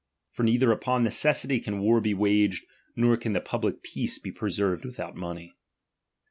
For neither upon necessity can war be waged, nor can the public peace be preserved without money.